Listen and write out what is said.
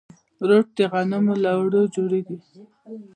روټ د غنمو له اوړو جوړیږي.